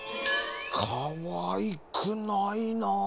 かわいくないな。